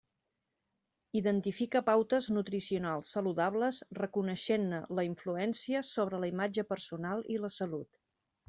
Identifica pautes nutricionals saludables reconeixent-ne la influència sobre la imatge personal i la salut.